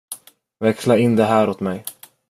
Växla in de här åt mig.